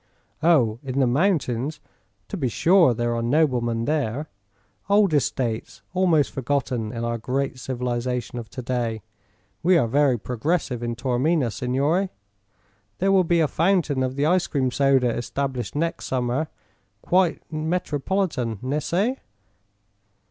"Oh; in the mountains? To be sure there are noblemen there; old estates almost forgotten in our great civilization of to day. We are very progressive in Taormina, signore. There will be a fountain of the ice cream soda established next summer. Quite metropolitan, ne c'e?"